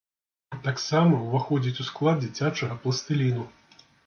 Таксама ўваходзіць у склад дзіцячага пластыліну.